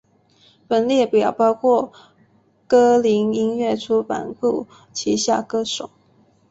本列表包括歌林音乐出版部旗下歌手。